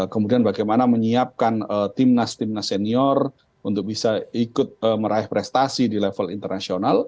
kemudian bagaimana menyiapkan timnas timnas senior untuk bisa ikut meraih prestasi di level internasional